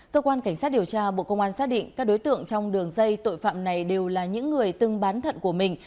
cơ quan cảnh sát điều tra bộ công an xác định các đối tượng trong đường dây tội phạm này đều là những người từng bán thận của mình